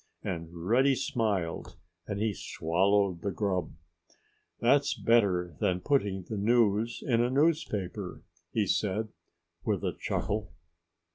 And Reddy smiled as he swallowed the grub. "That's better than putting the news in a newspaper," he said with a chuckle.